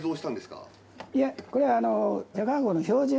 いやこれはあの。